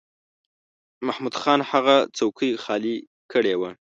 محمود خان هغه څوکۍ خالی کړې وه.